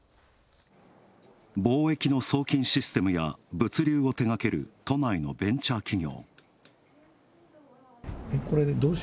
貿易の送金システムや物流を手がける都内のベンチャー企業。